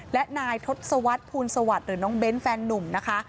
และนายทศวรรษภูลสวัสดิ์หรือน้องเบ้นแฟนนุ่มนะคะ